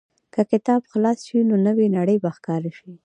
که کتاب خلاص شي، نو نوې نړۍ به ښکاره شي.